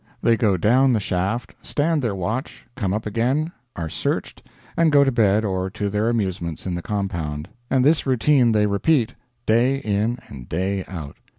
They go down the shaft, stand their watch, come up again, are searched, and go to bed or to their amusements in the compound; and this routine they repeat, day in and day out.